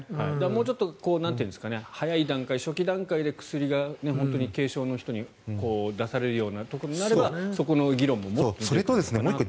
もうちょっと早い段階初期段階で薬が軽症の人に出されるようなことになればそこの議論ももっとできるかなと。